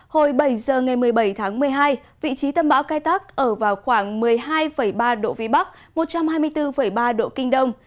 hồi bảy giờ ngày một mươi bảy tháng một mươi hai vị trí tâm bão cách tác ở vào khoảng một mươi hai ba độ vĩ bắc một trăm hai mươi bốn ba độ kinh đông